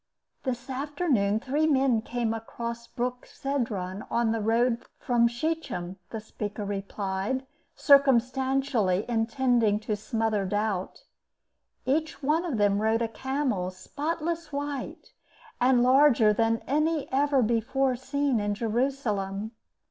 "This afternoon three men came across Brook Cedron on the road from Shechem," the speaker replied, circumstantially, intending to smother doubt. "Each one of them rode a camel spotless white, and larger than any ever before seen in Jerusalem."